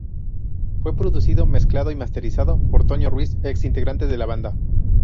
Fue producido, mezclado y masterizado por Tonio Ruiz ex integrante de la banda.